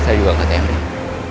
saya juga enggak tanya randy